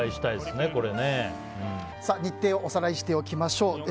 日程をおさらいしておきましょう。